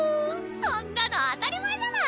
そんなの当たり前じゃない。